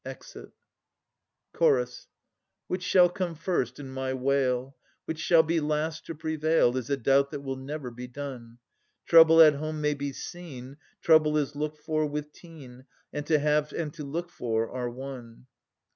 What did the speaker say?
[Exit CHORUS. Which shall come first in my wail, I 1 Which shall be last to prevail, Is a doubt that will never be done. Trouble at home may be seen, I 2 Trouble is looked for with teen; And to have and to look for are one.